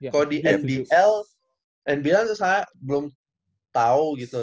kalau di nbl nbl itu saya belum tau gitu